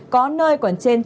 có nơi còn trên chín mươi mm